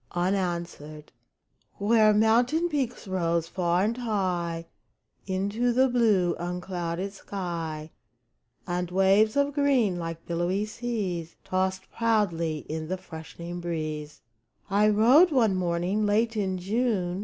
UNANSWERED Where mountain peaks rose far and high Into the blue, unclouded sky, And waves of green, like billowy seas, Tossed proudly in the freshening breeze, I rode one morning, late in June.